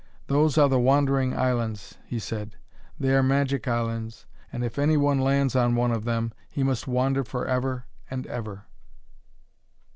'Those are the Wandering Islands,' he said. 'They are magic islands, and if any one lands on one of them he must wander for ever and ever.'